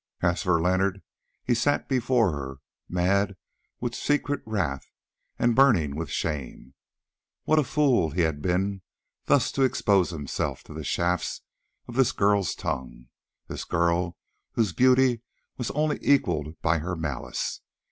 As for Leonard, he sat before her, mad with secret wrath and burning with shame. What a fool he had been thus to expose himself to the shafts of this girl's tongue—this girl, whose beauty was only equalled by her malice!